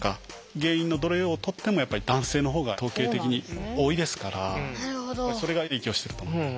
原因のどれをとっても男性の方が統計的に多いですからそれが影響してると思います。